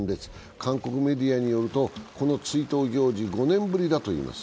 韓国メディアによると、この追悼行事は５年ぶりだといいます。